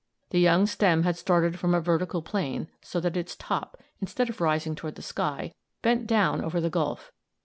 The young stem had started from a vertical plane, so that its top, instead of rising toward the sky, bent down over the gulf.